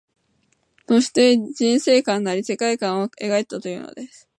そして、人世観なり世界観を描いたというのです